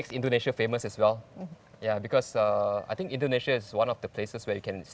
setelah kamu membelinya dan sampai sekarang